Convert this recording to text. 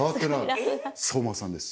相馬さんです